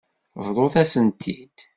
Bḍut-asen-t-id.